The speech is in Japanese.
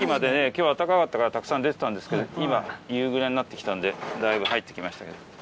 今日暖かかったからたくさん出てたんですけど今夕暮れになって来たんでだいぶ入って来ましたけど。